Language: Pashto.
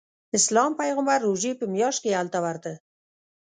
اسلام پیغمبر روژې په میاشت کې هلته ورته.